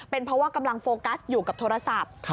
เป็นเพราะว่ากำลังโฟกัสอยู่กับโทรศัพท์